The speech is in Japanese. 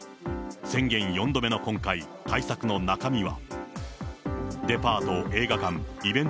宣言４度目の今回、対策の中身は。